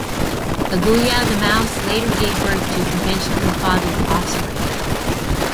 Kaguya the mouse later gave birth to conventionally fathered offspring.